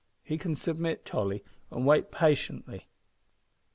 "He can submit, Tolly, and wait patiently."